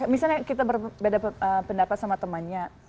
misalnya kita berbeda pendapat sama temannya